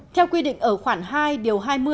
theo quy định ở khoảng hai điều hai mươi